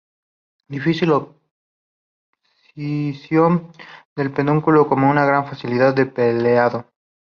Difícil abscisión del pedúnculo, con una gran facilidad de pelado.